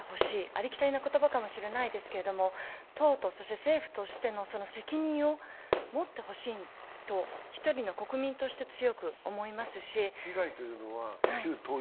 ありきたりな言葉かもしれないですけれども党と政府としての責任を持ってほしいと、一人の国民として強く思います。